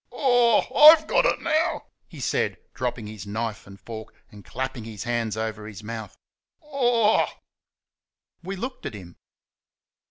"Oh h h!...I'VE got it now!" he said, dropping his knife and fork and clapping his hands over his mouth. "Ooh!" We looked at him.